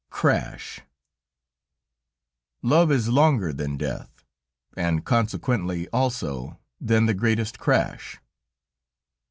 CRASH Love is stronger than death, and consequently also, than the greatest crash.